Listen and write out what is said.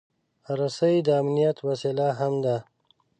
رسۍ د امنیت وسیله هم ده.